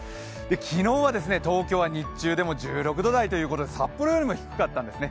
昨日は東京は日中でも１６度台ということで札幌よりも低かったんですね。